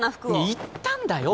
言ったんだよ